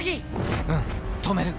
うん止める！